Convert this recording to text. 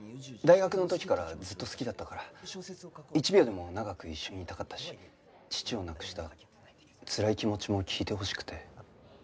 大学の時からずっと好きだったから一秒でも長く一緒にいたかったし父を亡くしたつらい気持ちも聞いてほしくて。